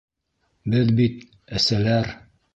Беҙ бит... әсәләр!